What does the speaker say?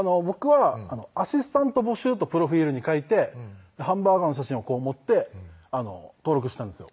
僕は「アシスタント募集」とプロフィールに書いてハンバーガーの写真を持って登録したんですよ